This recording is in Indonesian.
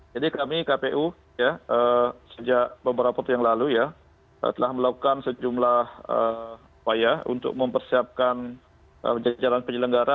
jadi kami kpu sejak beberapa waktu yang lalu ya telah melakukan sejumlah waya untuk mempersiapkan jalan penyelenggara